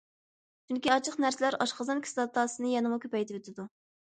چۈنكى ئاچچىق نەرسىلەر ئاشقازان كىسلاتاسىنى يەنىمۇ كۆپەيتىۋېتىدۇ.